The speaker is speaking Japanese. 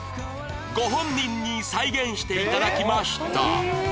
ご本人に再現して頂きました